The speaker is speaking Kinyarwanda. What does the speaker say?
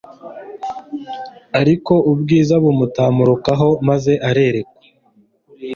Ariko ubwiza bumutamurukaho maze ararekwa